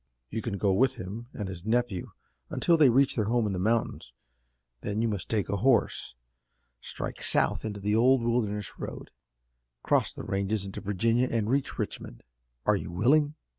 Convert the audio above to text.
You can go with him and his nephew until they reach their home in the mountains. Then you must take a horse, strike south into the old Wilderness Road, cross the ranges into Virginia and reach Richmond. Are you willing?"